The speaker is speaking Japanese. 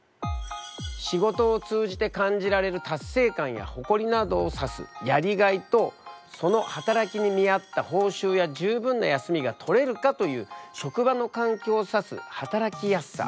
仕事を通じて感じられる達成感や誇りなどを指すやりがいとその働きに見合った報酬や十分な休みが取れるかという職場の環境を指す働きやすさ。